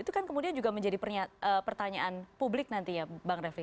itu kan kemudian juga menjadi pertanyaan publik nanti ya bang refli